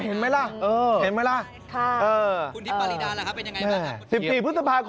เห็นไหมล่ะค่ะคุณที่ปราริดาล่ะครับเป็นอย่างไรบ้างค่ะ